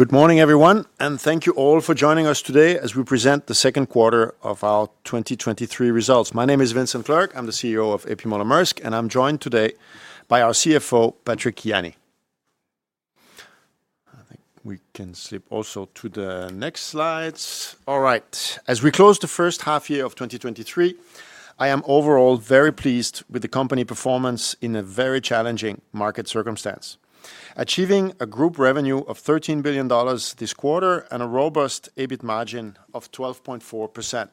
Good morning, everyone, thank you all for joining us today as we present the second quarter of our 2023 results. My name is Vincent Clerc. I'm the CEO of A.P. Moller-Maersk, and I'm joined today by our CFO, Patrick Jany. I think we can skip also to the next slides. All right. As we close the first half year of 2023, I am overall very pleased with the company performance in a very challenging market circumstance. Achieving a group revenue of $13 billion this quarter and a robust EBIT margin of 12.4%.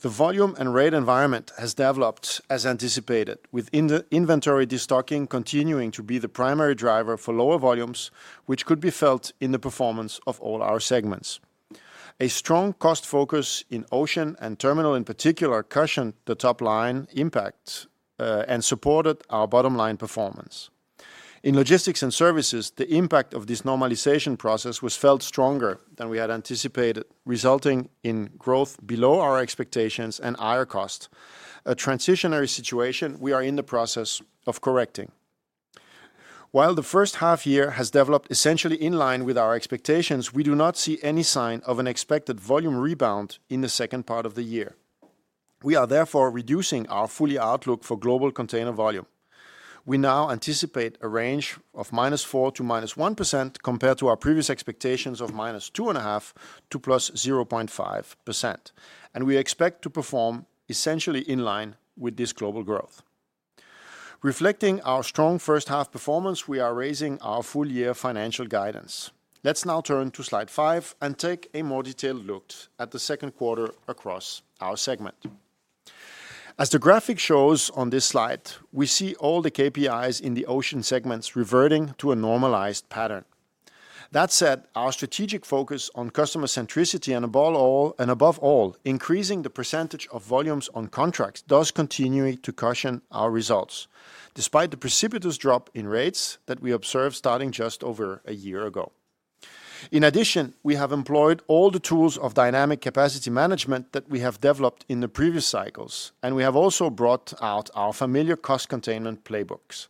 The volume and rate environment has developed as anticipated, with the inventory destocking continuing to be the primary driver for lower volumes, which could be felt in the performance of all our segments. A strong cost focus in Ocean and Terminals, in particular, cushioned the top line impact and supported our bottom-line performance. In Logistics & Services, the impact of this normalization process was felt stronger than we had anticipated, resulting in growth below our expectations and higher costs, a transitionary situation we are in the process of correcting. While the first half year has developed essentially in line with our expectations, we do not see any sign of an expected volume rebound in the second part of the year. We are therefore reducing our full-year outlook for global container volume. We now anticipate a range of -4% to -1%, compared to our previous expectations of -2.5% to +0.5%, and we expect to perform essentially in line with this global growth. Reflecting our strong first half performance, we are raising our full-year financial guidance. Let's now turn to Slide five and take a more detailed look at the second quarter across our segment. As the graphic shows on this slide, we see all the KPIs in the Ocean segments reverting to a normalized pattern. That said, our strategic focus on customer centricity and above all, increasing the percentage of volumes on contracts, does continue to cushion our results, despite the precipitous drop in rates that we observed starting just over a year ago. In addition, we have employed all the tools of dynamic capacity management that we have developed in the previous cycles, and we have also brought out our familiar cost containment playbooks.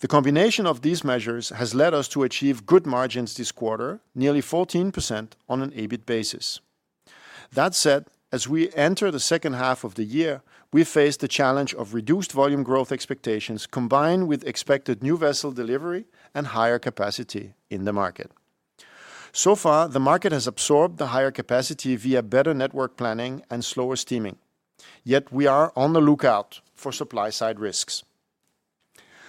The combination of these measures has led us to achieve good margins this quarter, nearly 14% on an EBIT basis. That said, as we enter the second half of the year, we face the challenge of reduced volume growth expectations, combined with expected new vessel delivery and higher capacity in the market. So far, the market has absorbed the higher capacity via better network planning and slower steaming, yet we are on the lookout for supply-side risks.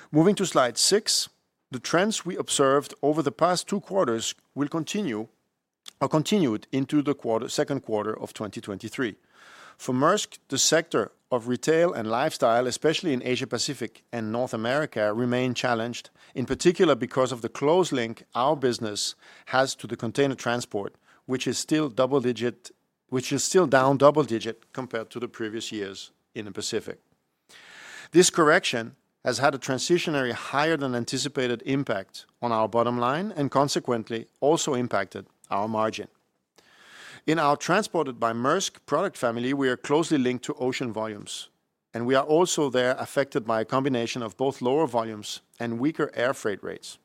Moving to Slide six, the trends we observed over the past two quarters will continue or continued into the second quarter of 2023. For Maersk, the sector of retail and lifestyle, especially in Asia Pacific and North America, remain challenged, in particular, because of the close link our business has to the container transport, which is still down double-digit compared to the previous years in the Pacific. This correction has had a transitionary higher than anticipated impact on our bottom line and consequently also impacted our margin. In our Transported by Maersk product family, we are closely linked to ocean volumes, and we are also there affected by a combination of both lower volumes and weaker air freight rates.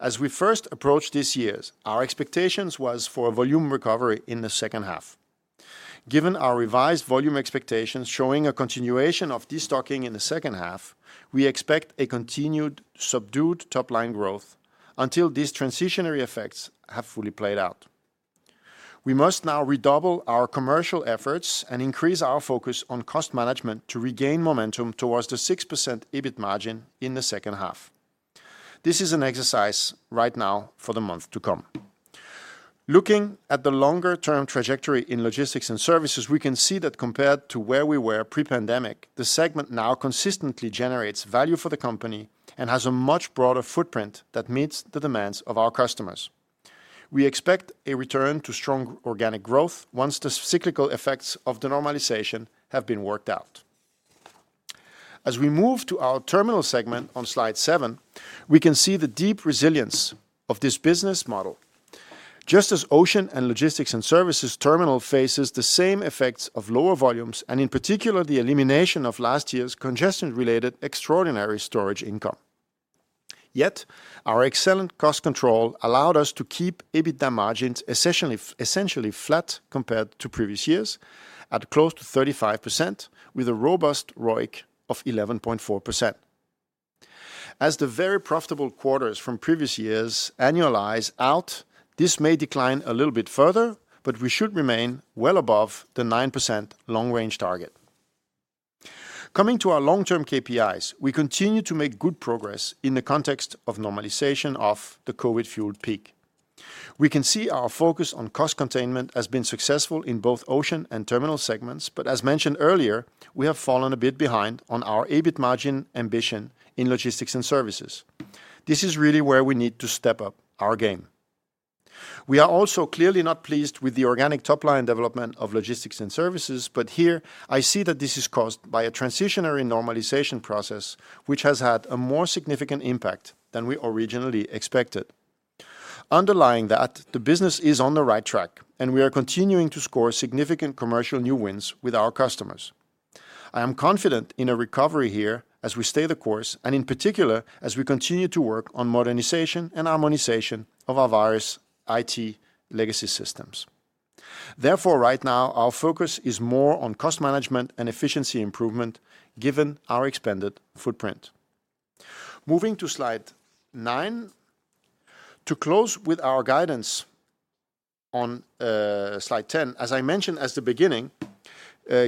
As we first approached this year, our expectations was for a volume recovery in the second half. Given our revised volume expectations showing a continuation of destocking in the second half, we expect a continued subdued top-line growth until these transitionary effects have fully played out. We must now redouble our commercial efforts and increase our focus on cost management to regain momentum towards the 6% EBIT margin in the second half. This is an exercise right now for the month to come. Looking at the longer-term trajectory in Logistics & Services, we can see that compared to where we were pre-pandemic, the segment now consistently generates value for the company and has a much broader footprint that meets the demands of our customers. We expect a return to strong organic growth once the cyclical effects of the normalization have been worked out. As we move to our terminal segment on Slide seven, we can see the deep resilience of this business model. Just as Ocean and Logistics & Services, Terminals faces the same effects of lower volumes, and in particular, the elimination of last year's congestion-related extraordinary storage income. Yet, our excellent cost control allowed us to keep EBITDA margins essentially flat compared to previous years, at close to 35%, with a robust ROIC of 11.4%. As the very profitable quarters from previous years annualize out, this may decline a little bit further, but we should remain well above the 9% long-range target. Coming to our long-term KPIs, we continue to make good progress in the context of normalization of the COVID-fueled peak. We can see our focus on cost containment has been successful in both Ocean and Terminals segments, but as mentioned earlier, we have fallen a bit behind on our EBIT margin ambition in Logistics & Services. This is really where we need to step up our game. We are also clearly not pleased with the organic top-line development of Logistics & Services, but here I see that this is caused by a transitionary normalization process, which has had a more significant impact than we originally expected. Underlying that, the business is on the right track, and we are continuing to score significant commercial new wins with our customers. I am confident in a recovery here as we stay the course, and in particular, as we continue to work on modernization and harmonization of our various IT legacy systems. Therefore, right now, our focus is more on cost management and efficiency improvement, given our expanded footprint. Moving to Slide nine, to close with our guidance on Slide 10, as I mentioned as the beginning,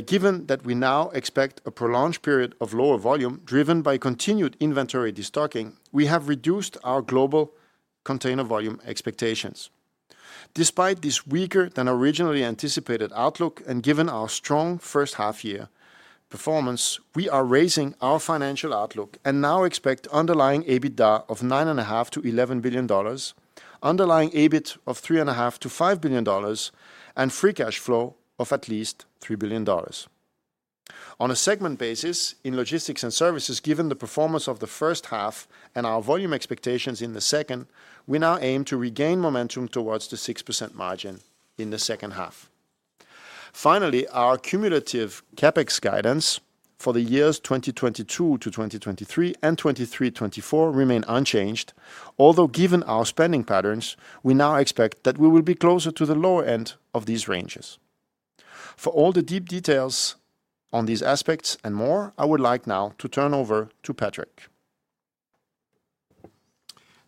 given that we now expect a prolonged period of lower volume, driven by continued inventory destocking, we have reduced our global container volume expectations. Despite this weaker than originally anticipated outlook, and given our strong first half year performance, we are raising our financial outlook and now expect underlying EBITDA of $9.5 billion-$11 billion, underlying EBIT of $3.5 billion-$5 billion, and free cash flow of at least $3 billion. On a segment basis, in Logistics & Services, given the performance of the first half and our volume expectations in the second, we now aim to regain momentum towards the 6% margin in the second half. Finally, our cumulative CapEx guidance for the years 2022-2023 and 2024 remain unchanged, although given our spending patterns, we now expect that we will be closer to the lower end of these ranges. For all the deep details on these aspects and more, I would like now to turn over to Patrick.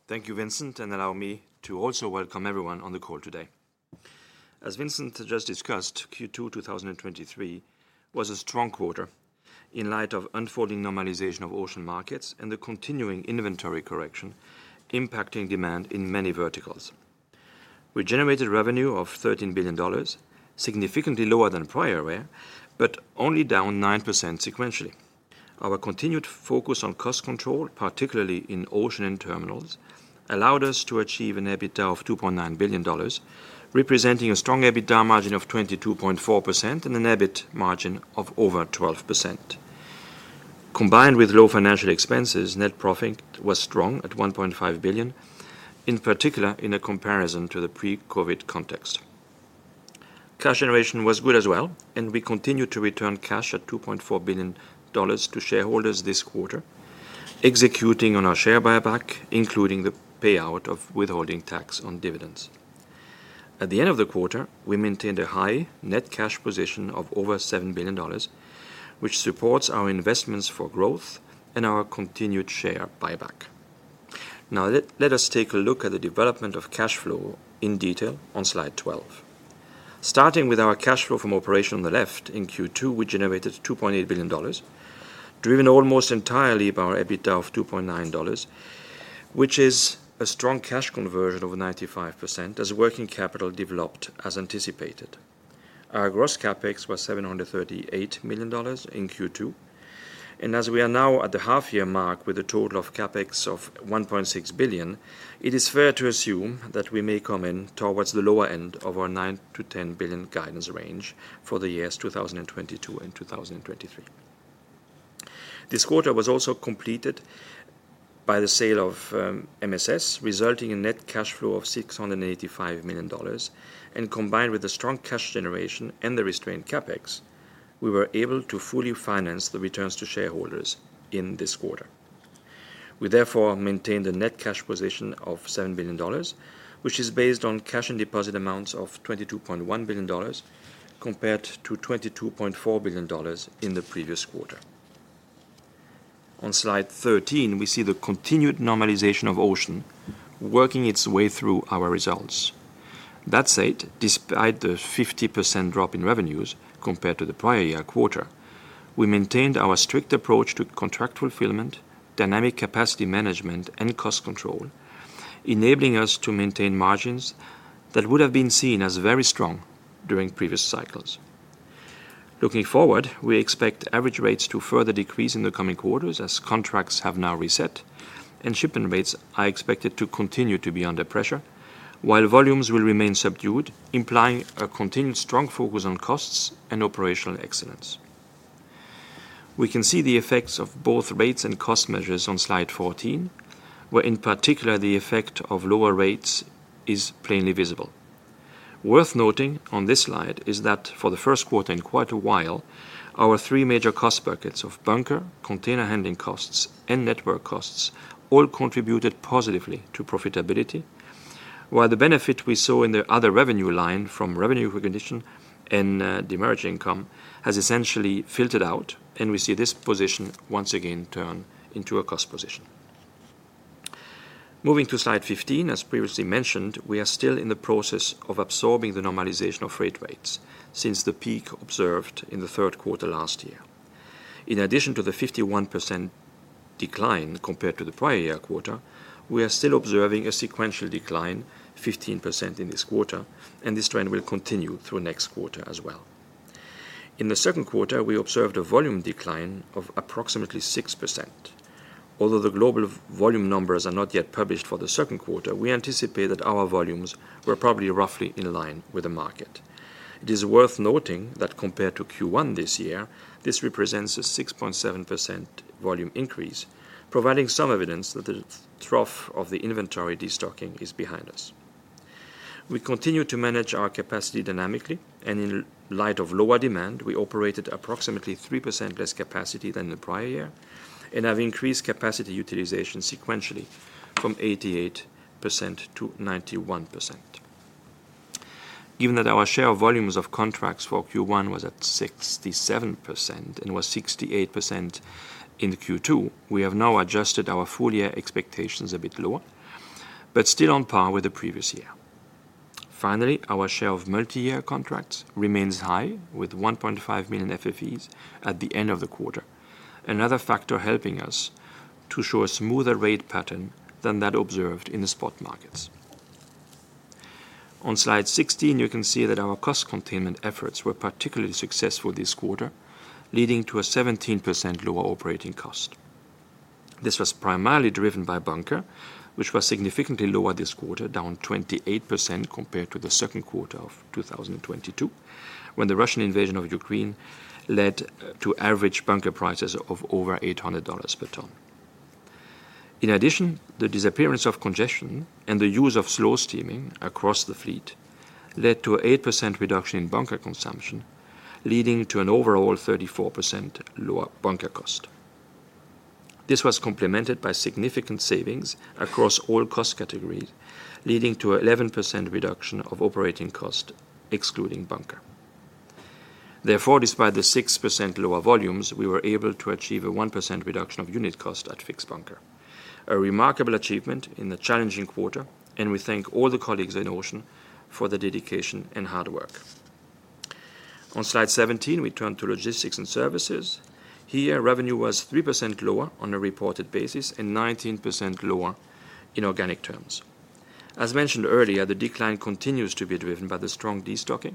Thank you, Vincent. Allow me to also welcome everyone on the call today. As Vincent just discussed, Q2, 2023, was a strong quarter in light of unfolding normalization of ocean markets and the continuing inventory correction impacting demand in many verticals. We generated revenue of $13 billion, significantly lower than prior year, but only down 9% sequentially. Our continued focus on cost control, particularly in Ocean and Terminals, allowed us to achieve an EBITDA of $2.9 billion, representing a strong EBITDA margin of 22.4% and an EBIT margin of over 12%. Combined with low financial expenses, net profit was strong at $1.5 billion, in particular, in a comparison to the pre-COVID context. Cash generation was good as well, we continued to return cash at $2.4 billion to shareholders this quarter, executing on our share buyback, including the payout of withholding tax on dividends. At the end of the quarter, we maintained a high net cash position of over $7 billion, which supports our investments for growth and our continued share buyback. Now, let us take a look at the development of cash flow in detail on Slide 12. Starting with our cash flow from operation on the left, in Q2, we generated $2.8 billion, driven almost entirely by our EBITDA of $2.9, which is a strong cash conversion of 95%, as working capital developed as anticipated. Our gross CapEx was $738 million in Q2, and as we are now at the half-year mark with a total of CapEx of $1.6 billion, it is fair to assume that we may come in towards the lower end of our $9 billion-$10 billion guidance range for the years 2022 and 2023. This quarter was also completed by the sale of MSS, resulting in net cash flow of $685 million, and combined with the strong cash generation and the restrained CapEx, we were able to fully finance the returns to shareholders in this quarter. We therefore maintained a net cash position of $7 billion, which is based on cash and deposit amounts of $22.1 billion, compared to $22.4 billion in the previous quarter. On Slide 13, we see the continued normalization of Ocean working its way through our results. That said, despite the 50% drop in revenues compared to the prior year quarter, we maintained our strict approach to contract fulfillment, dynamic capacity management, and cost control, enabling us to maintain margins that would have been seen as very strong during previous cycles. Looking forward, we expect average rates to further decrease in the coming quarters as contracts have now reset, and shipping rates are expected to continue to be under pressure, while volumes will remain subdued, implying a continued strong focus on costs and operational excellence. We can see the effects of both rates and cost measures on Slide 14, where in particular, the effect of lower rates is plainly visible. Worth noting on this slide is that for the first quarter in quite a while, our three major cost buckets of bunker, container handling costs, and network costs all contributed positively to profitability, while the benefit we saw in the other revenue line from revenue recognition and the emerging income has essentially filtered out, and we see this position once again turn into a cost position. Moving to Slide 15, as previously mentioned, we are still in the process of absorbing the normalization of freight rates since the peak observed in the third quarter last year. In addition to the 51% decline compared to the prior-year quarter, we are still observing a sequential decline, 15% in this quarter, and this trend will continue through next quarter as well. In the second quarter, we observed a volume decline of approximately 6%. Although the global volume numbers are not yet published for the second quarter, we anticipate that our volumes were probably roughly in line with the market. It is worth noting that compared to Q1 this year, this represents a 6.7% volume increase, providing some evidence that the trough of the inventory destocking is behind us. We continue to manage our capacity dynamically, and in light of lower demand, we operated approximately 3% less capacity than the prior year and have increased capacity utilization sequentially from 88%-91%. Given that our share of volumes of contracts for Q1 was at 67% and was 68% in Q2, we have now adjusted our full year expectations a bit lower, but still on par with the previous year. Finally, our share of multi-year contracts remains high, with 1.5 million FFEs at the end of the quarter. Another factor helping us to show a smoother rate pattern than that observed in the spot markets. On Slide 16, you can see that our cost containment efforts were particularly successful this quarter, leading to a 17% lower operating cost. This was primarily driven by bunker, which was significantly lower this quarter, down 28% compared to the second quarter of 2022, when the Russian invasion of Ukraine led to average bunker prices of over $800 per ton. In addition, the disappearance of congestion and the use of slow steaming across the fleet led to an 8% reduction in bunker consumption, leading to an overall 34% lower bunker cost. This was complemented by significant savings across all cost categories, leading to 11% reduction of operating cost, excluding bunker. Despite the 6% lower volumes, we were able to achieve a 1% reduction of unit cost at fixed bunker, a remarkable achievement in a challenging quarter, and we thank all the colleagues at Ocean for their dedication and hard work. On Slide 17, we turn to Logistics & Services. Here, revenue was 3% lower on a reported basis and 19% lower in organic terms. As mentioned earlier, the decline continues to be driven by the strong destocking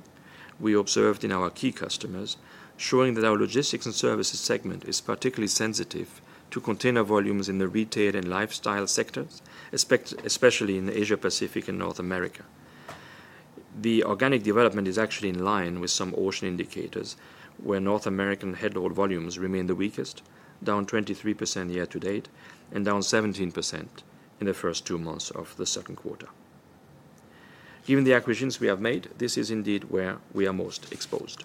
we observed in our key customers, showing that our Logistics & Services segment is particularly sensitive to container volumes in the retail and lifestyle sectors, especially in Asia, Pacific, and North America. The organic development is actually in line with some ocean indicators, where North American headhaul volumes remain the weakest, down 23% year-to-date and down 17% in the first two months of the second quarter. Given the acquisitions we have made, this is indeed where we are most exposed.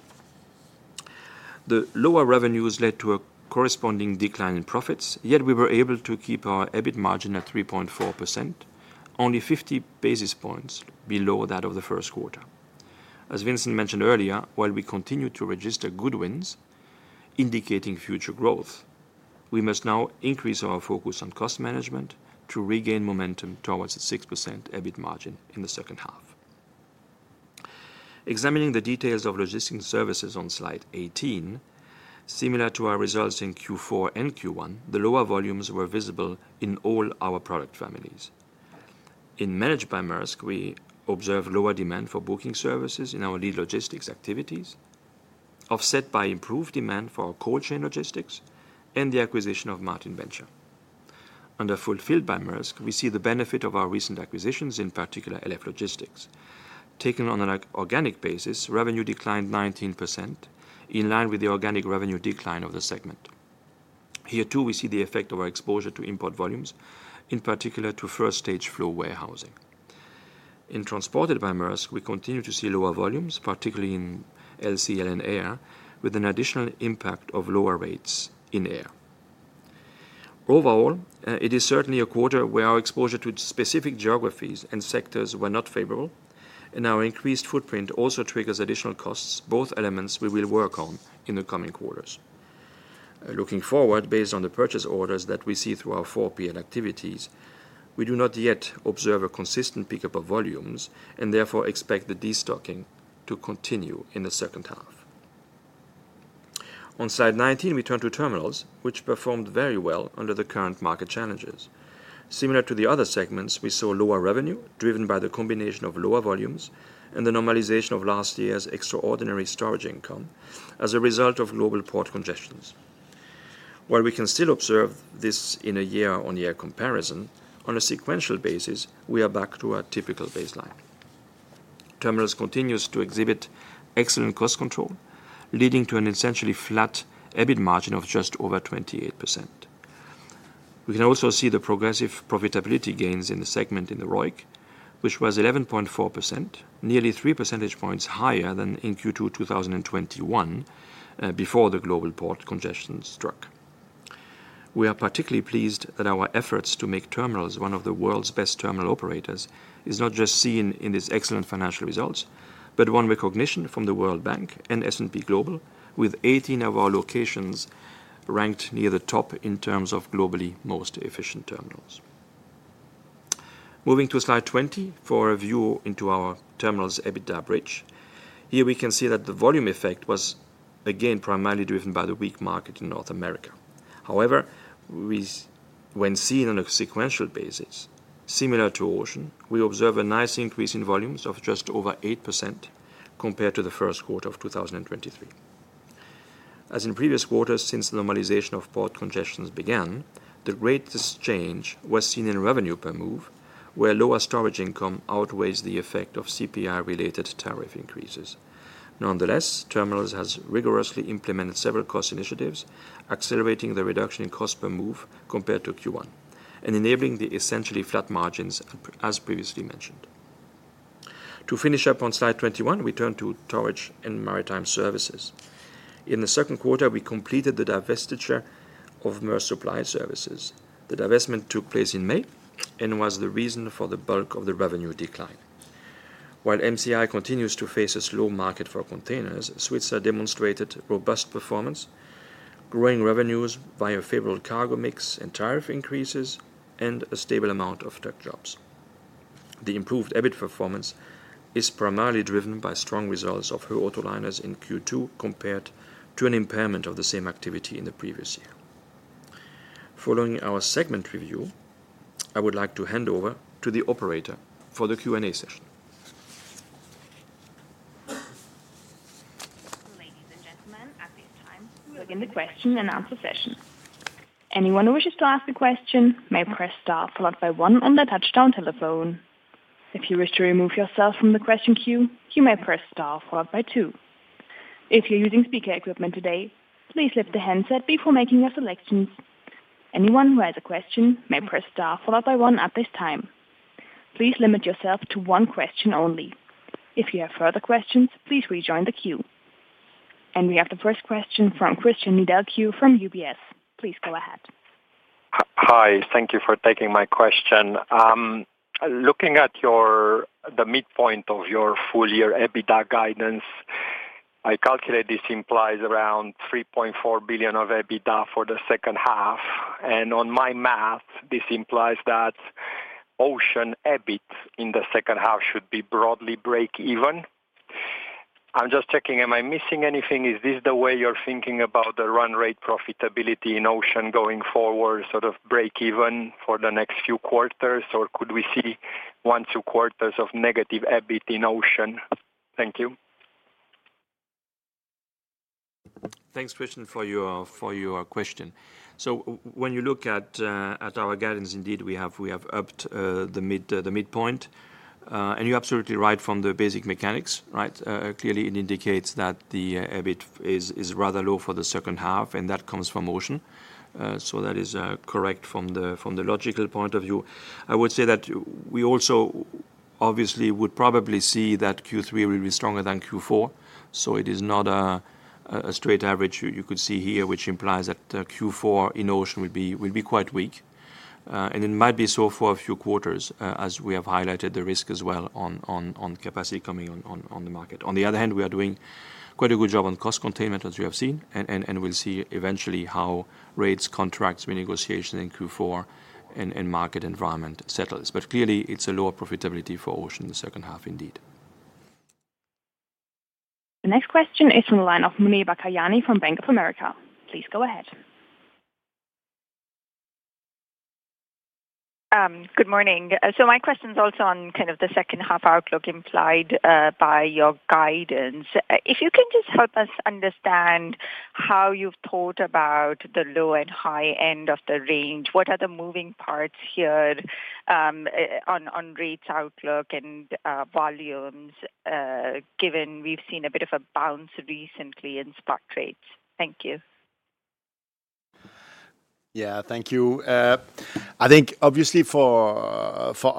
The lower revenues led to a corresponding decline in profits, yet we were able to keep our EBIT margin at 3.4%, only 50 basis points below that of the first quarter. As Vincent mentioned earlier, while we continue to register good wins indicating future growth, we must now increase our focus on cost management to regain momentum towards the 6% EBIT margin in the second half. Examining the details of Logistics & Services on Slide 18, similar to our results in Q4 and Q1, the lower volumes were visible in all our product families. In Managed by Maersk, we observed lower demand for booking services in our lead logistics activities, offset by improved demand for our cold chain logistics and the acquisition of Martin Bencher. Under Fulfilled by Maersk, we see the benefit of our recent acquisitions, in particular, LF Logistics. Taken on an organic basis, revenue declined 19%, in line with the organic revenue decline of the segment. Here, too, we see the effect of our exposure to import volumes, in particular, to first stage flow warehousing. In Transported by Maersk, we continue to see lower volumes, particularly in LCL and air, with an additional impact of lower rates in air. Overall, it is certainly a quarter where our exposure to specific geographies and sectors were not favorable, and our increased footprint also triggers additional costs, both elements we will work on in the coming quarters. Looking forward, based on the purchase orders that we see through our 4PL activities, we do not yet observe a consistent pickup of volumes and therefore expect the destocking to continue in the second half. On Slide 19, we turn to Terminals, which performed very well under the current market challenges. Similar to the other segments, we saw lower revenue driven by the combination of lower volumes and the normalization of last year's extraordinary storage income as a result of global port congestions. While we can still observe this in a year-over-year comparison, on a sequential basis, we are back to our typical baseline. Terminals continues to exheibit excellent cost control, leading to an essentially flat EBIT margin of just over 28%. We can also see the progressive profitability gains in the segment in the ROIC, which was 11.4%, nearly 3 percentage points higher than in Q2 2021, before the global port congestion struck. We are particularly pleased that our efforts to make Terminals one of the world's best terminal operators is not just seen in these excellent financial results, but won recognition from the World Bank and S&P Global, with 18 of our locations ranked near the top in terms of globally most efficient Terminals. Moving to Slide 20, for a view into our Terminals EBITDA bridge. Here we can see that the volume effect was again, primarily driven by the weak market in North America. However, when seen on a sequential basis, similar to Ocean, we observe a nice increase in volumes of just over 8% compared to the first quarter of 2023. As in previous quarters, since the normalization of port congestions began, the greatest change was seen in revenue per move, where lower storage income outweighs the effect of CPI-related tariff increases. Nonetheless, Terminals has rigorously implemented several cost initiatives, accelerating the reduction in cost per move compared to Q1.... And enabling the essentially flat margins, as previously mentioned. To finish up on Slide 21, we turn to Towage and Maritime Services. In the second quarter, we completed the divestiture of Maersk Supply Services. The divestment took place in May and was the reason for the bulk of the revenue decline. While MCI continues to face a slow market for containers, Svitzer demonstrated robust performance, growing revenues by a favorable cargo mix and tariff increases and a stable amount of tug jobs. The improved EBIT performance is primarily driven by strong results of Höegh Autoliners in Q2, compared to an impairment of the same activity in the previous year. Following our segment review, I would like to hand over to the operator for the Q&A session. Ladies and gentlemen, at this time, we will begin the question and answer session. Anyone who wishes to ask a question may press star followed by one on their touchdown telephone. If you wish to remove yourself from the question queue, you may press star followed by two. If you're using speaker equipment today, please lift the handset before making your selections. Anyone who has a question may press star followed by one at this time. Please limit yourself to one question only. If you have further questions, please rejoin the queue. We have the first question from Cristian Nedelcu from UBS. Please go ahead. H-hi. Thank you for taking my question. Looking at your, the midpoint of your full year EBITDA guidance, I calculate this implies around $3.4 billion of EBITDA for the second half. On my math, this implies that Ocean EBIT in the second half should be broadly break even. I'm just checking, am I missing anything? Is this the way you're thinking about the run rate profitability in Ocean going forward, sort of break even for the next few quarters? Could we see one, two quarters of negative EBIT in Ocean? Thank you. Thanks, Cristian, for your for your question. When you look at at our guidance, indeed, we have, we have upped the mid the midpoint. You're absolutely right from the basic mechanics, right? Clearly, it indicates that the EBIT is, is rather low for the second half, and that comes from Ocean. That is correct from the, from the logical point of view. I would say that we also obviously would probably see that Q3 will be stronger than Q4, so it is not a, a, a straight average you, you could see here, which implies that Q4 in Ocean will be, will be quite weak. It might be so for a few quarters, as we have highlighted the risk as well on capacity coming on the market. On the other hand, we are doing quite a good job on cost containment, as you have seen, and, and, and we'll see eventually how rates, contracts, renegotiation in Q4 and, and market environment settles. Clearly it's a lower profitability for Ocean in the second half, indeed. The next question is from the line of Muneeba Kayani from Bank of America. Please go ahead. Good morning. My question is also on kind of the second half outlook implied by your guidance. If you can just help us understand how you've thought about the low and high end of the range, what are the moving parts here, on, on rates outlook and volumes, given we've seen a bit of a bounce recently in spot rates? Thank you. Yeah. Thank you. I think obviously for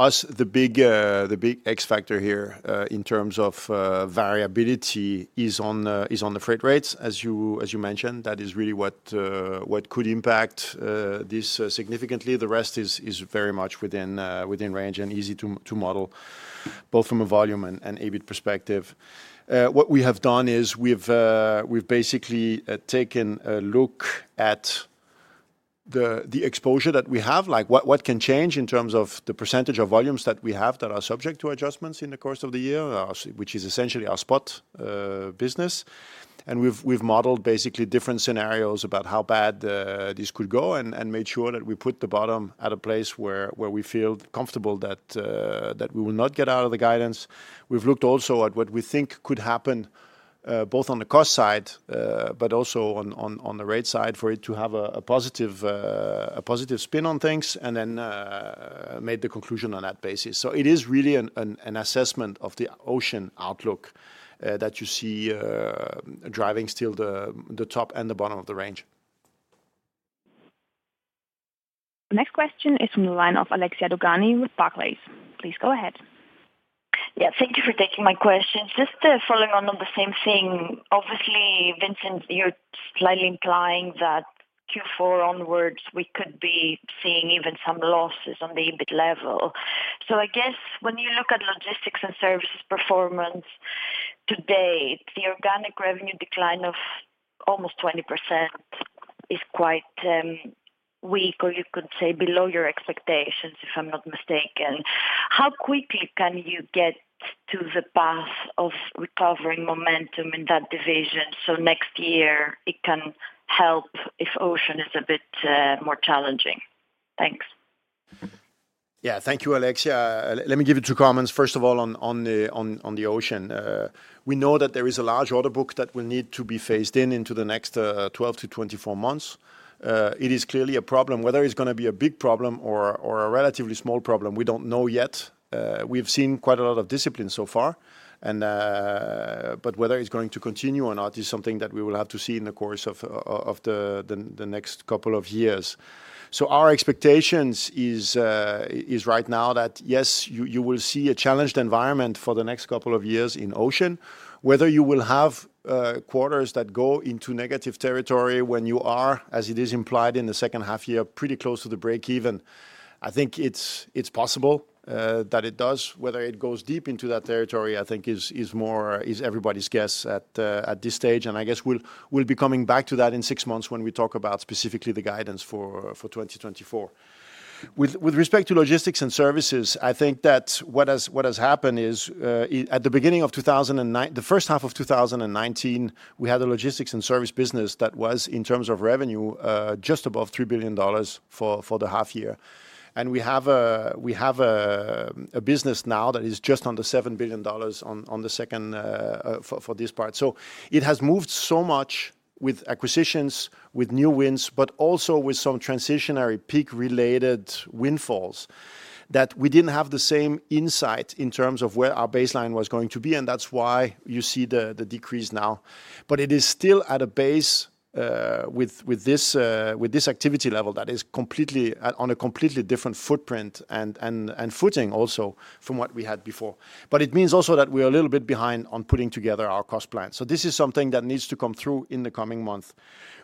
us, the big, the big X factor here, in terms of variability is on the, is on the freight rates. As you, as you mentioned, that is really what could impact this significantly. The rest is very much within range and easy to model, both from a volume and EBIT perspective. What we have done is we've basically taken a look at the exposure that we have, like what can change in terms of the percentage of volumes that we have that are subject to adjustments in the course of the year, which is essentially our spot business. We've, we've modeled basically different scenarios about how bad this could go and, and made sure that we put the bottom at a place where, where we feel comfortable that we will not get out of the guidance. We've looked also at what we think could happen, both on the cost side, but also on, on, on the rate side, for it to have a, a positive, a positive spin on things, and then made the conclusion on that basis. It is really an, an, an assessment of the ocean outlook that you see driving still the, the top and the bottom of the range. The next question is from the line of Alexia Dogani with Barclays. Please go ahead. Yeah, thank you for taking my question. Just following on, on the same thing. Obviously, Vincent, you're slightly implying that Q4 onwards, we could be seeing even some losses on the EBIT level. I guess when you look at Logistics & Services performance to date, the organic revenue decline of almost 20% is quite weak, or you could say below your expectations, if I'm not mistaken. How quickly can you get to the path of recovering momentum in that division, so next year it can help if Ocean is a bit more challenging? Thanks. Yeah, thank you, Alexia. Let me give you two comments. First of all, on, on the, on, on the Ocean. We know that there is a large order book that will need to be phased in into the next 12-24 months. It is clearly a problem. Whether it's gonna be a big problem or, or a relatively small problem, we don't know yet. We've seen quite a lot of discipline so far, and but whether it's going to continue or not is something that we will have to see in the course of, of, of the, the, the next couple of years. Our expectations is, is right now that, yes, you, you will see a challenged environment for the next couple of years in Ocean. Whether you will have, quarters that go into negative territory when you are, as it is implied in the second half year, pretty close to the break even, I think it's, it's possible that it does. Whether it goes deep into that territory, I think is, is more, is everybody's guess at this stage, and I guess we'll, we'll be coming back to that in six months when we talk about specifically the guidance for, for 2024. With, with respect to Logistics & Services, I think that what has, what has happened is, at the beginning of 2009-- the first half of 2019, we had a Logistics & Services business that was, in terms of revenue, just above $3 billion for, for the half year. We have a business now that is just under $7 billion on the second for this part. It has moved so much with acquisitions, with new wins, but also with some transitionary peak-related windfalls, that we didn't have the same insight in terms of where our baseline was going to be, and that's why you see the decrease now. It is still at a base with this with this activity level that is completely, at on a completely different footprint and footing also from what we had before. It means also that we are a little bit behind on putting together our cost plan. This is something that needs to come through in the coming month.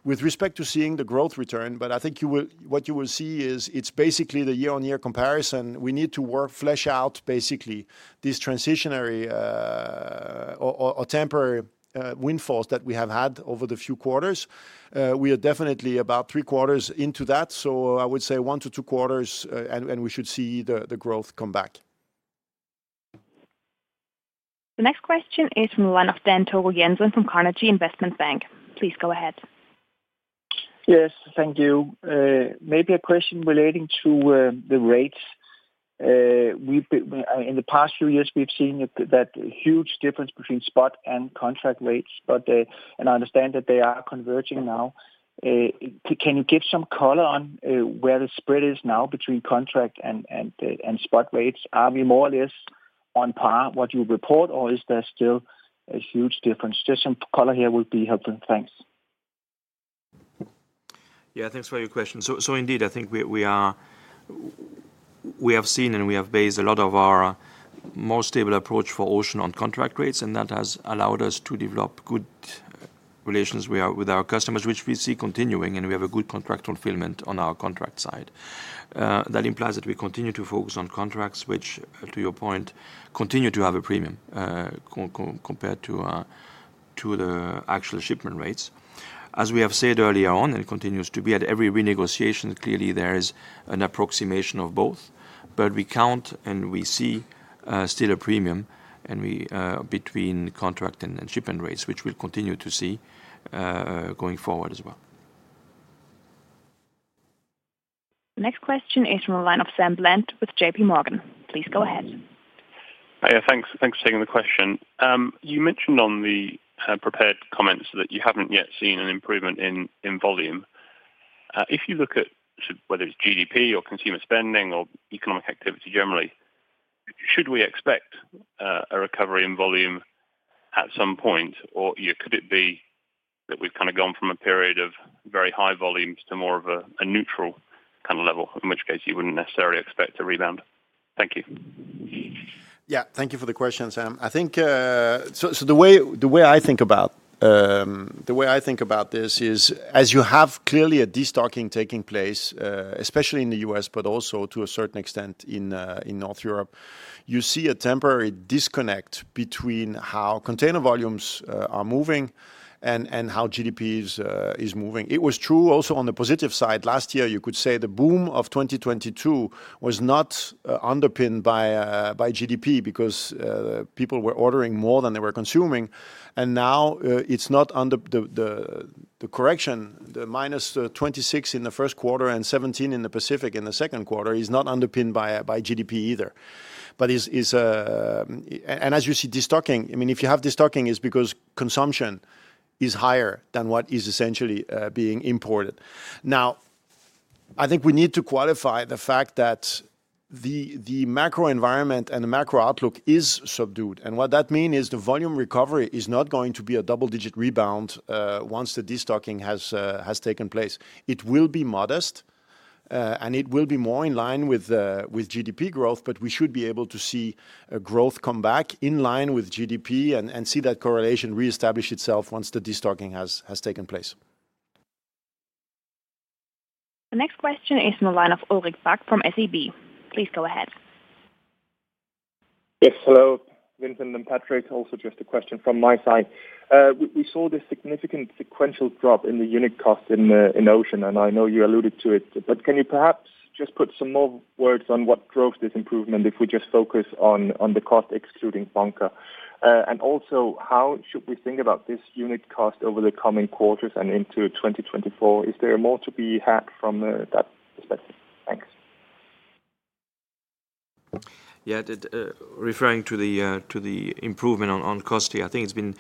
With respect to seeing the growth return, but I think you will what you will see is it's basically the year-on-year comparison. We need to work, flesh out, basically, this transitionary, or, or, or temporary, windfalls that we have had over the few quarters. We are definitely about three quarters into that, so I would say one to two quarters, and we should see the growth come back. The next question is from line of Dan Togo Jensen from Carnegie Investment Bank. Please go ahead. Yes, thank you. Maybe a question relating to the rates. We've been in the past few years, we've seen that, that huge difference between spot and contract rates, but I understand that they are converging now. Can you give some color on where the spread is now between contract and, and spot rates? Are we more or less on par, what you report, or is there still a huge difference? Just some color here would be helpful. Thanks. Yeah, thanks for your question. Indeed, I think we, we are. We have seen and we have based a lot of our more stable approach for Ocean on contract rates, and that has allowed us to develop good relations with our, with our customers, which we see continuing, and we have a good contract fulfillment on our contract side. That implies that we continue to focus on contracts which, to your point, continue to have a premium compared to the actual shipment rates. As we have said earlier on, and continues to be at every renegotiation, clearly there is an approximation of both, but we count and we see still a premium, and we between contract and shipment rates, which we'll continue to see going forward as well. The next question is from the line of Sam Bland with JPMorgan. Please go ahead. Hi, thanks. Thanks for taking the question. You mentioned on the prepared comments that you haven't yet seen an improvement in, in volume. If you look at whether it's GDP or consumer spending or economic activity generally, should we expect a recovery in volume at some point, or, yeah, could it be that we've kind of gone from a period of very high volumes to more of a, a neutral kind of level, in which case you wouldn't necessarily expect a rebound? Thank you. Yeah, thank you for the question, Sam. I think the way, the way I think about the way I think about this is, as you have clearly a destocking taking place, especially in the U.S., but also to a certain extent in North Europe, you see a temporary disconnect between how container volumes are moving and how GDP is moving. It was true also on the positive side. Last year, you could say the boom of 2022 was not underpinned by GDP because people were ordering more than they were consuming. Now, it's not under the, the, the correction, the -26% in the first quarter and 17% in the Pacific in the second quarter is not underpinned by GDP either. Is, is, and as you see, destocking, I mean, if you have destocking, it's because consumption is higher than what is essentially being imported. Now, I think we need to qualify the fact that the, the macro environment and the macro outlook is subdued, and what that mean is the volume recovery is not going to be a double-digit rebound once the destocking has taken place. It will be modest, and it will be more in line with GDP growth, but we should be able to see a growth come back in line with GDP and, and see that correlation reestablish itself once the destocking has taken place. The next question is in the line of Ulrik Bak from SEB. Please go ahead. Yes, hello, Vincent and Patrick. Also, just a question from my side. We saw this significant sequential drop in the unit cost in Ocean, and I know you alluded to it, but can you perhaps just put some more words on what drove this improvement, if we just focus on, on the cost excluding bunker? And also, how should we think about this unit cost over the coming quarters and into 2024? Is there more to be had from that perspective? Thanks. ... Yeah, that, referring to the, to the improvement on, on cost here, I think it's been,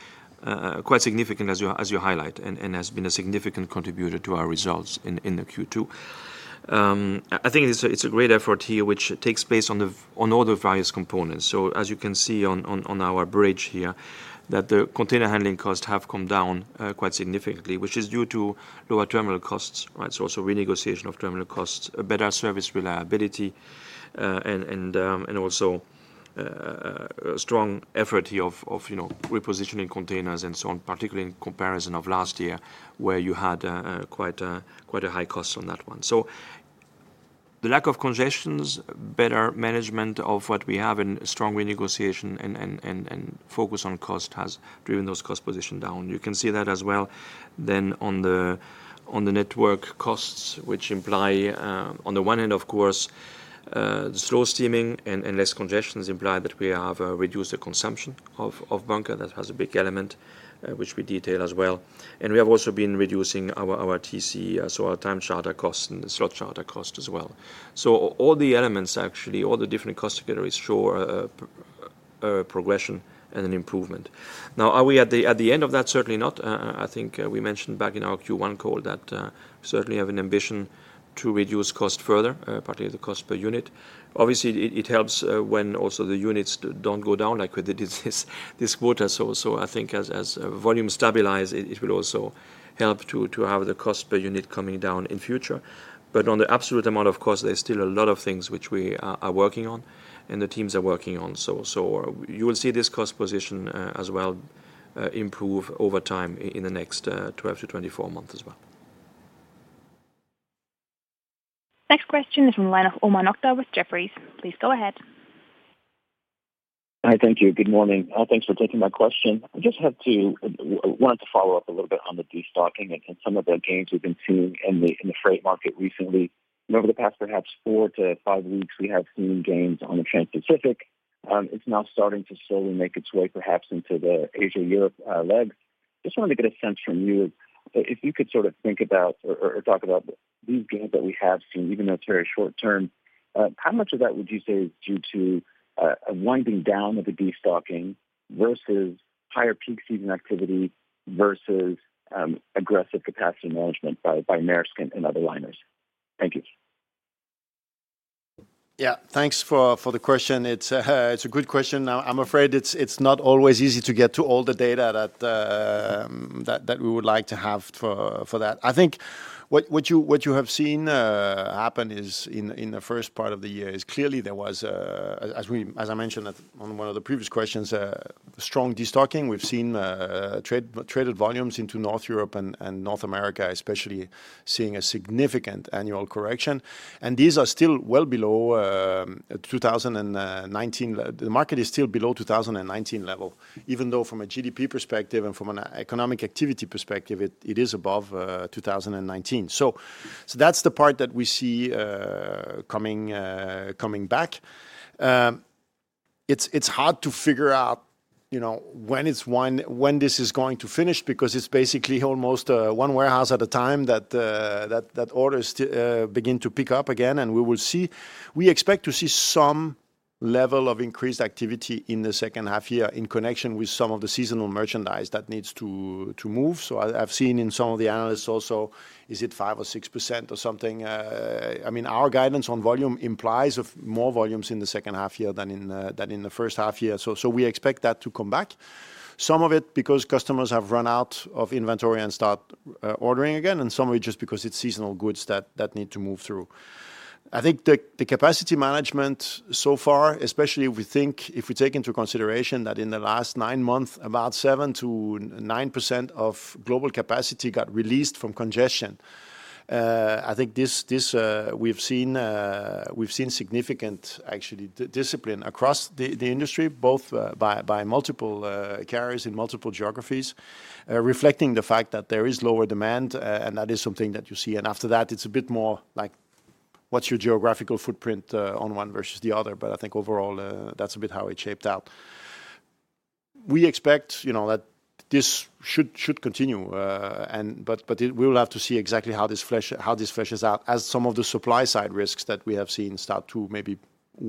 quite significant as you, as you highlight, and, and has been a significant contributor to our results in, in the Q2. I, I think it's a, it's a great effort here, which takes place on the, on all the various components. As you can see on, on, on our bridge here, that the container handling costs have come down, quite significantly, which is due to lower terminal costs, right? Also renegotiation of terminal costs, a better service reliability, and, and, and also, a strong effort here of, of, you know, repositioning containers and so on, particularly in comparison of last year, where you had, quite a, quite a high cost on that one. The lack of congestions, better management of what we have and strong renegotiation and, and, and, and focus on cost has driven those cost position down. You can see that as well then on the, on the network costs, which imply, on the one hand, of course, slow steaming and, and less congestions imply that we have, reduced the consumption of, of bunker. That has a big element, which we detail as well. We have also been reducing our, our TC, so our time charter costs and the slot charter cost as well. All the elements, actually, all the different cost together show, progression and an improvement. Now, are we at the, at the end of that? Certainly not. I think we mentioned back in our Q1 call that we certainly have an ambition to reduce cost further, particularly the cost per unit. Obviously, it, it helps when also the units d- don't go down, like with this, this quarter. So I think as, as volume stabilize, it, it will also help to, to have the cost per unit coming down in future. On the absolute amount, of course, there's still a lot of things which we are, are working on and the teams are working on. So you will see this cost position as well improve over time i- in the next 12 to 24 months as well. Next question is from the line of Omar Nokta with Jefferies. Please go ahead. Hi. Thank you. Good morning. Thanks for taking my question. I just have to, wanted to follow up a little bit on the destocking and, and some of the gains we've been seeing in the, in the freight market recently. Over the past, perhaps four to five weeks, we have seen gains on the Transpacific. It's now starting to slowly make its way perhaps into the Asia-Europe, leg. Just wanted to get a sense from you, if you could sort of think about or talk about these gains that we have seen, even though it's very short term, how much of that would you say is due to, a winding down of the destocking versus higher peak season activity versus, aggressive capacity management by, by Maersk and, and other liners? Thank you. Yeah, thanks for, for the question. It's, it's a good question. Now, I'm afraid it's, it's not always easy to get to all the data that, that we would like to have for, for that. I think what, what you, what you have seen happen is in, in the first part of the year is clearly there was as I mentioned at, on one of the previous questions, a strong destocking. We've seen trade, traded volumes into North Europe and North America especially, seeing a significant annual correction. These are still well below 2019. The market is still below 2019 level, even though from a GDP perspective and from an economic activity perspective, it, it is above 2019. That's the part that we see, coming, coming back. It's, it's hard to figure out, you know, when it's one, when this is going to finish, because it's basically almost, one warehouse at a time that, that, that orders to, begin to pick up again. We will see. We expect to see some level of increased activity in the second half year in connection with some of the seasonal merchandise that needs to, to move. I, I've seen in some of the analysts also, is it 5% or 6% or something? I mean, our guidance on volume implies of more volumes in the second half year than in, than in the first half year. We expect that to come back. Some of it because customers have run out of inventory and start, ordering again, and some of it just because it's seasonal goods that, that need to move through. I think the, the capacity management so far, especially if we think, if we take into consideration that in the last nine months, about 7%-9% of global capacity got released from congestion, I think this, this, we've seen, we've seen significant actually d- discipline across the, the industry, both, by, by multiple carriers in multiple geographies, reflecting the fact that there is lower demand, and that is something that you see. After that, it's a bit more like what's your geographical footprint on one versus the other. I think overall, that's a bit how it shaped out. We expect, you know, that this should, should continue, but we will have to see exactly how this fleshes out as some of the supply side risks that we have seen start to maybe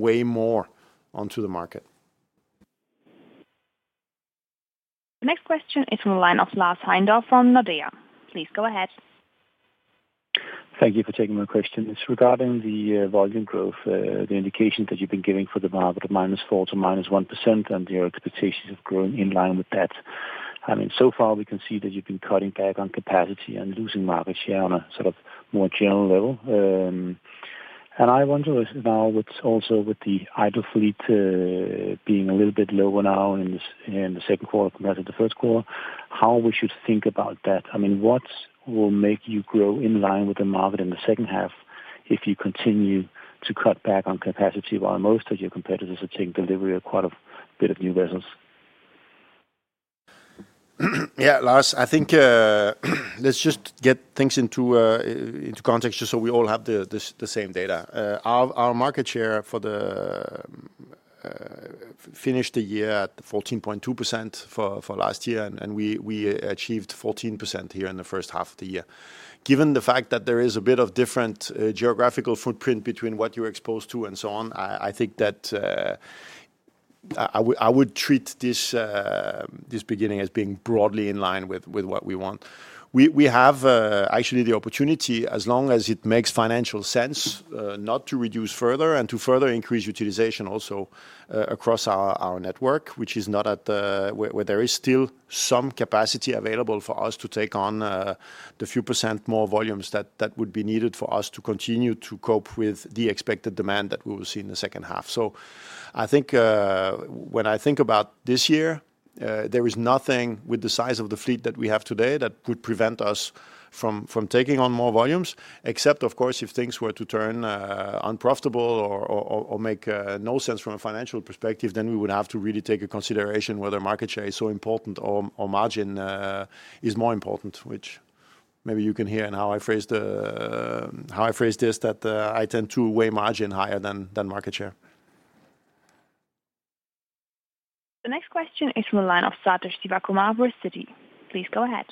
weigh more onto the market. Next question is from the line of Lars Heindorff from Nordea. Please go ahead. Thank you for taking my question. It's regarding the volume growth, the indication that you've been giving for the market of -4% to -1%, and your expectations of growing in line with that. I mean, so far we can see that you've been cutting back on capacity and losing market share on a sort of more general level. And I wonder now, with also with the idle fleet, being a little bit lower now in the, in the second quarter compared to the first quarter, how we should think about that? I mean what will make you grow in line with the market in the second half if you continue to cut back on capacity, while most of your competitors are taking delivery of quite a bit of new vessels? Yeah, Lars, I think, let's just get things into context just so we all have the, the, the same data. Our, our market share for the. ... Finish the year at 14.2% for, for last year, and, and we, we achieved 14% here in the first half of the year. Given the fact that there is a bit of different, geographical footprint between what you're exposed to and so on, I, I think that, I, I would, I would treat this, this beginning as being broadly in line with, with what we want. We, we have, actually the opportunity, as long as it makes financial sense, not to reduce further and to further increase utilization also, across our, our network, which is not where there is still some capacity available for us to take on, the few percent more volumes that, that would be needed for us to continue to cope with the expected demand that we will see in the second half. I think, when I think about this year, there is nothing with the size of the fleet that we have today that would prevent us from, from taking on more volumes, except, of course, if things were to turn unprofitable or make no sense from a financial perspective, then we would have to really take a consideration whether market share is so important or, or margin is more important, which maybe you can hear in how I phrased, how I phrased this, that I tend to weigh margin higher than, than market share. The next question is from the line of Sathish Sivakumar, Citi. Please go ahead.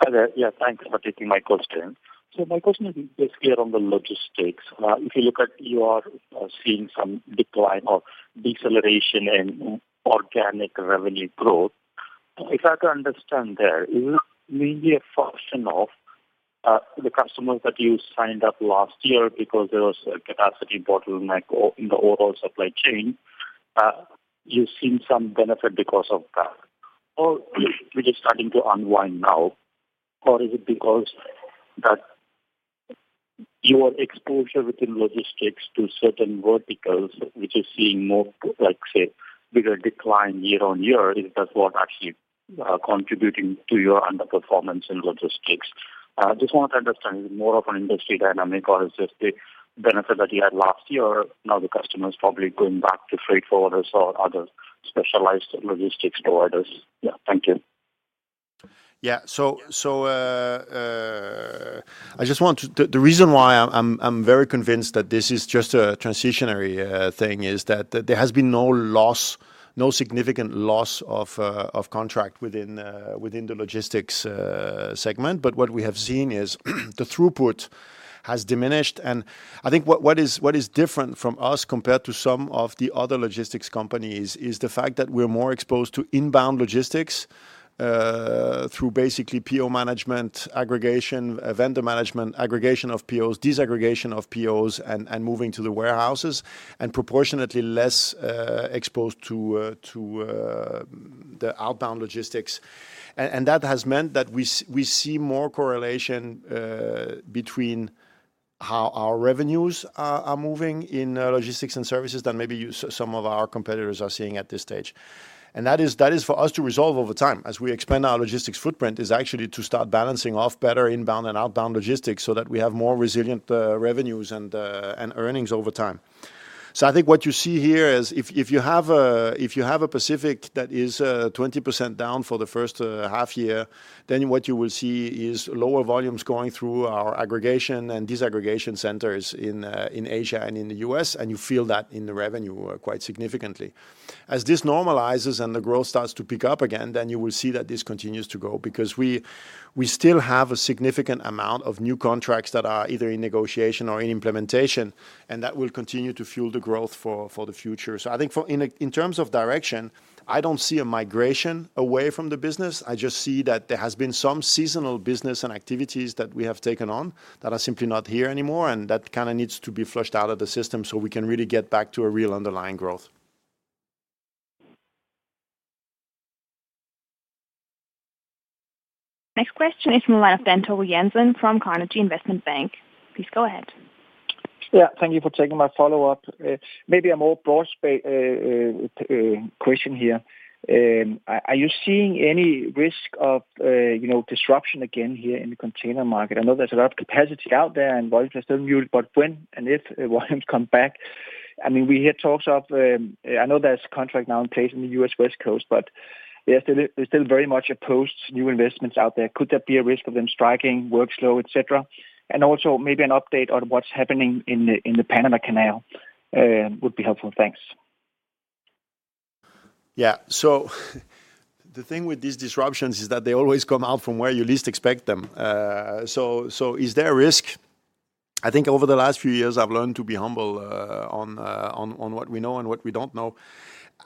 Hi there. Yeah, thanks for taking my question. My question is basically on the logistics. If you look at you are seeing some decline or deceleration in organic revenue growth. If I have to understand there, is it maybe a function of the customers that you signed up last year because there was a capacity bottleneck in the overall supply chain, you've seen some benefit because of that? Which is starting to unwind now, or is it because that your exposure within logistics to certain verticals, which is seeing more like, say, bigger decline year-on-year, is that what actually contributing to your underperformance in logistics? I just want to understand more of an industry dynamic or is just the benefit that you had last year, now the customer is probably going back to freight forwarders or other specialized logistics providers? Yeah, thank you. Yeah. I just want to. The reason why I'm very convinced that this is just a transitionary thing, is that there has been no loss, no significant loss of contract within within the logistics segment. What we have seen is, the throughput has diminished. I think what, what is, what is different from us compared to some of the other logistics companies, is the fact that we're more exposed to inbound logistics through basically PO management, aggregation, vendor management, aggregation of POs, disaggregation of POs, and moving to the warehouses, and proportionately less exposed to the outbound logistics. That has meant that we see more correlation between how our revenues are, are moving in Logistics & Services than maybe some of our competitors are seeing at this stage. That is, that is for us to resolve over time. As we expand our logistics footprint, is actually to start balancing off better inbound and outbound logistics so that we have more resilient revenues and earnings over time. I think what you see here is if, if you have a, if you have a Pacific that is 20% down for the first half year, then what you will see is lower volumes going through our aggregation and disaggregation centers in Asia and in the U.S., and you feel that in the revenue quite significantly. As this normalizes and the growth starts to pick up again, then you will see that this continues to go, because we, we still have a significant amount of new contracts that are either in negotiation or in implementation, and that will continue to fuel the growth for, for the future. I think for... In, in terms of direction, I don't see a migration away from the business. I just see that there has been some seasonal business and activities that we have taken on that are simply not here anymore, and that kind of needs to be flushed out of the system so we can really get back to a real underlying growth. Next question is from the line of Dan Togo Jensen from Carnegie Investment Bank. Please go ahead. Yeah, thank you for taking my follow-up. Maybe a more broad question here. Are you seeing any risk of, you know, disruption again here in the container market? I know there's a lot of capacity out there and volumes are still muted, but when and if the volumes come back, I mean, we hear talks of, I know there's contract now in place in the U.S. West Coast, but they're still, they're still very much opposed new investments out there. Could there be a risk of them striking, work slow, et cetera? Also maybe an update on what's happening in the, in the Panama Canal would be helpful. Thanks. Yeah. The thing with these disruptions is that they always come out from where you least expect them. Is there a risk? I think over the last few years, I've learned to be humble on on what we know and what we don't know.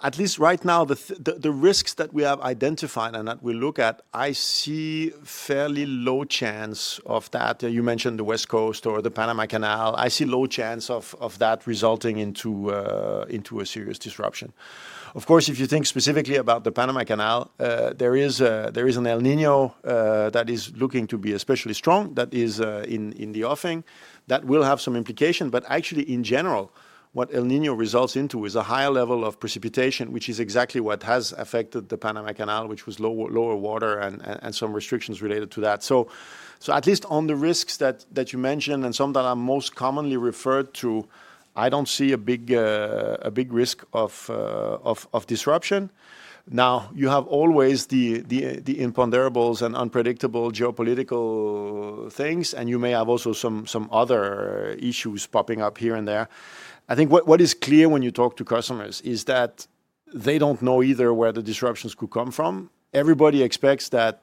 At least right now, the risks that we have identified and that we look at, I see fairly low chance of that. You mentioned the West Coast or the Panama Canal. I see low chance of, of that resulting into a, into a serious disruption. Of course, if you think specifically about the Panama Canal, there is a, there is an El Niño that is looking to be especially strong, that is in, in the offing. That will have some implication. Actually, in general, what El Niño results into is a higher level of precipitation, which is exactly what has affected the Panama Canal, which was lower water and, and, and some restrictions related to that. So, so at least on the risks that, that you mentioned and some that are most commonly referred to, I don't see a big risk of disruption. Now, you have always the, the, the imponderables and unpredictable geopolitical things, and you may have also some, some other issues popping up here and there. I think what, what is clear when you talk to customers is that. They don't know either where the disruptions could come from. Everybody expects that,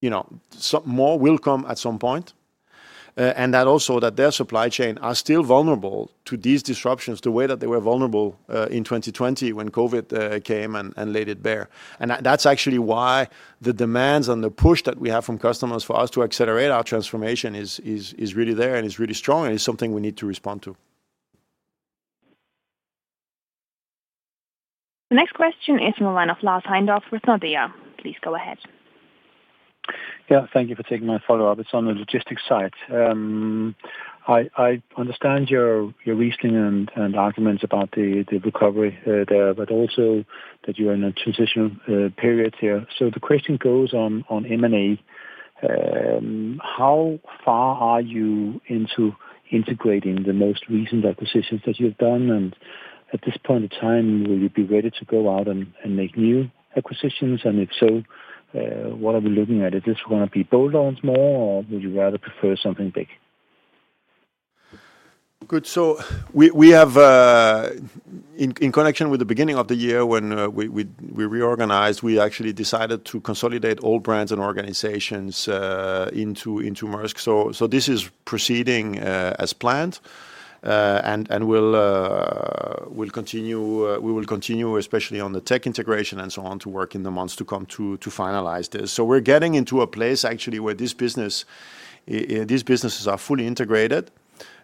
you know, some more will come at some point, and that also that their supply chain are still vulnerable to these disruptions, the way that they were vulnerable, in 2020 when COVID came and, and laid it bare. That's actually why the demands and the push that we have from customers for us to accelerate our transformation is really there and is really strong, and it's something we need to respond to. The next question is from the line of Lars Heindorff with Nordea. Please go ahead. Yeah, thank you for taking my follow-up. It's on the logistics side. I, I understand your, your reasoning and, and arguments about the, the recovery there, but also that you are in a transition period here. So the question goes on, on M&A. How far are you into integrating the most recent acquisitions that you've done? And at this point in time, will you be ready to go out and, and make new acquisitions? And if so, what are we looking at? Is this gonna be bolt-ons more, or would you rather prefer something big? Good. We, we have. In connection with the beginning of the year when we, we, we reorganized, we actually decided to consolidate all brands and organizations into, into Maersk. This is proceeding as planned, and, and we'll, we'll continue, we will continue, especially on the tech integration and so on, to work in the months to come to, to finalize this. We're getting into a place, actually, where this business, these businesses are fully integrated,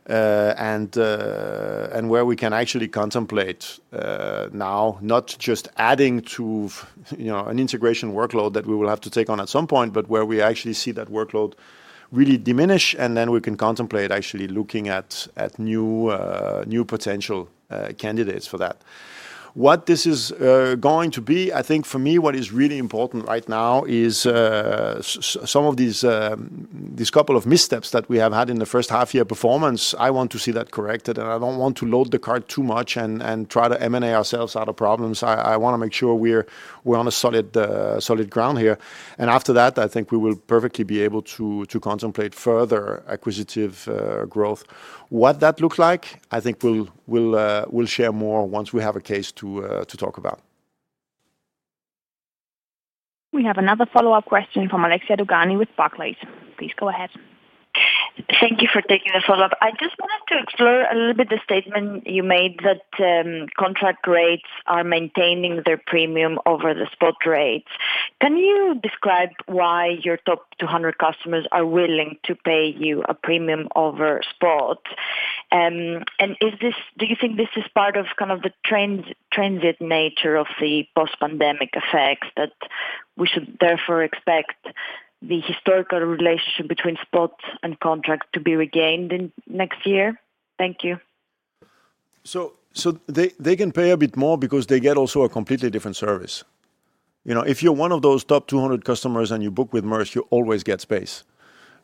and, and where we can actually contemplate, now not just adding to, you know, an integration workload that we will have to take on at some point, but where we actually see that workload really diminish, and then we can contemplate actually looking at, at new, new potential, candidates for that. What this is, going to be, I think for me, what is really important right now is some of these couple of missteps that we have had in the first half year performance, I want to see that corrected, and I don't want to load the cart too much and, and try to M&A ourselves out of problems. I wanna make sure we're on a solid ground here. After that, I think we will perfectly be able to contemplate further acquisitive growth. What that looks like, I think we'll share more once we have a case to talk about. We have another follow-up question from Alexia Dogani with Barclays. Please go ahead. Thank you for taking the follow-up. I just wanted to explore a little bit the statement you made that, contract rates are maintaining their premium over the spot rates. Can you describe why your top 200 customers are willing to pay you a premium over spot? Do you think this is part of kind of the trend, transit nature of the post-pandemic effects, that we should therefore expect the historical relationship between spot and contract to be regained in next year? Thank you. They, they can pay a bit more because they get also a completely different service. You know, if you're one of those top 200 customers and you book with Maersk, you always get space.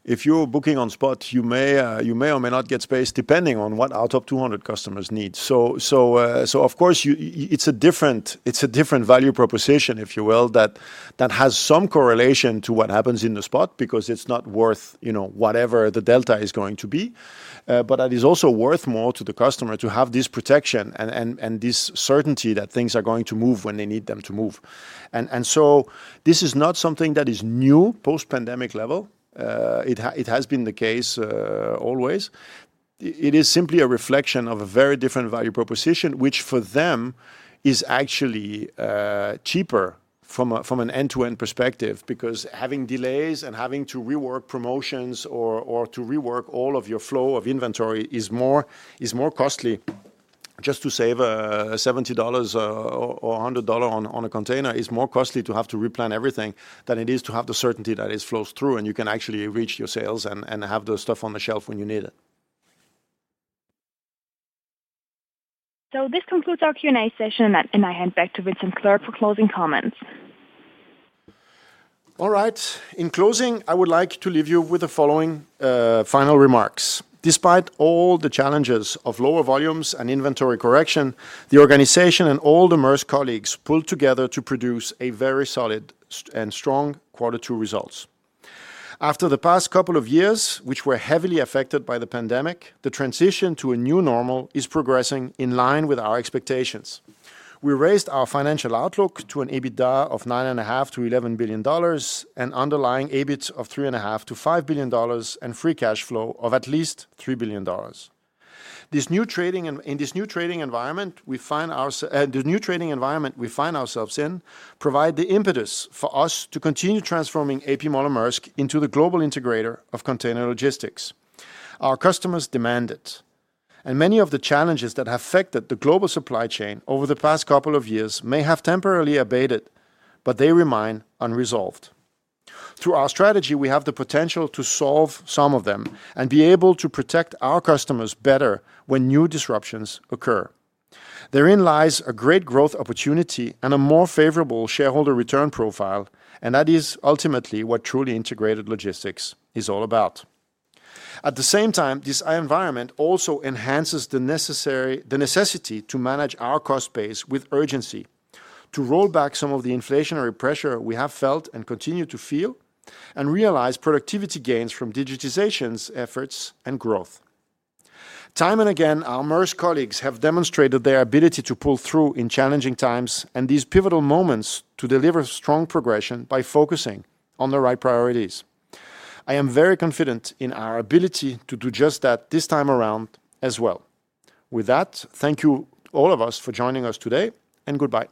If you're booking on spot, you may, you may or may not get space, depending on what our top 200 customers need. Of course, it's a different, it's a different value proposition, if you will, that, that has some correlation to what happens in the spot, because it's not worth, you know, whatever the delta is going to be. But that is also worth more to the customer to have this protection and, and, and this certainty that things are going to move when they need them to move. This is not something that is new post-pandemic level. It has been the case, always. It is simply a reflection of a very different value proposition, which for them is actually cheaper from an end-to-end perspective, because having delays and having to rework promotions or, or to rework all of your flow of inventory is more, is more costly just to save $70 or $100 on a container. It's more costly to have to replan everything than it is to have the certainty that it flows through, and you can actually reach your sales and, and have the stuff on the shelf when you need it. This concludes our Q&A session, and I hand back to Vincent Clerc for closing comments. All right. In closing, I would like to leave you with the following final remarks. Despite all the challenges of lower volumes and inventory correction, the organization and all the Maersk colleagues pulled together to produce a very solid and strong quarter two results. After the past couple of years, which were heavily affected by the pandemic, the transition to a new normal is progressing in line with our expectations. We raised our financial outlook to an EBITDA of $9.5 billion-$11 billion and underlying EBIT of $3.5 billion-$5 billion and free cash flow of at least $3 billion. This new trading en... In this new trading environment, we find the new trading environment we find ourselves in provide the impetus for us to continue transforming A.P. Moller - Maersk into the global integrator of container logistics. Our customers demand it. Many of the challenges that have affected the global supply chain over the past couple of years may have temporarily abated, but they remain unresolved. Through our strategy, we have the potential to solve some of them and be able to protect our customers better when new disruptions occur. Therein lies a great growth opportunity and a more favorable shareholder return profile. That is ultimately what truly integrated logistics is all about. At the same time, this environment also enhances the necessity to manage our cost base with urgency, to roll back some of the inflationary pressure we have felt and continue to feel, and realize productivity gains from digitization's efforts and growth. Time and again, our Maersk colleagues have demonstrated their ability to pull through in challenging times and these pivotal moments to deliver strong progression by focusing on the right priorities. I am very confident in our ability to do just that this time around as well. With that, thank you, all of us, for joining us today, and goodbye.